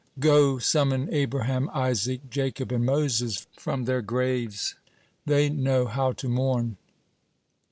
Go, summon Abraham, Isaac, Jacob, and Moses from their graces. They know how to mourn."